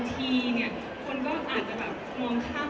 เสียงปลดมือจังกัน